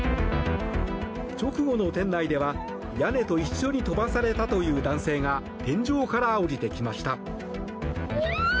直後の店内では、屋根と一緒に飛ばされたという男性が天井から降りてきました。